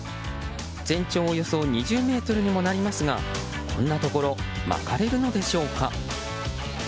全長およそ２０ｍにもなりますがこんなところ曲がれるのでしょうか。